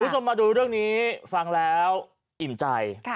คุณผู้ชมมาดูเรื่องนี้ฟังแล้วอิ่มใจ